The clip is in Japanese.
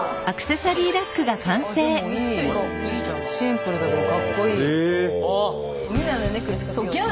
シンプルだけどかっこいい。